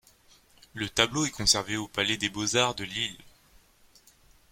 Le tableau est conservé au palais des Beaux-Arts de Lille.